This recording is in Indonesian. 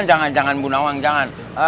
jangan jangan jangan